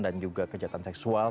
dan juga kejahatan seksual